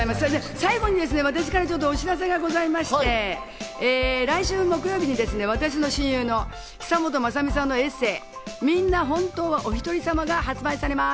最後に私からお知らせがございまして、来週木曜日に私の親友の久本雅美さんのエッセー、『みんな、本当はおひとりさま』が発売されます。